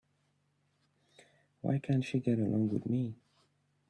Why can't she get along with me?